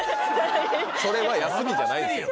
それは休みじゃないですよ。